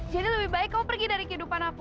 jadi lebih baik kamu pergi dari kehidupan aku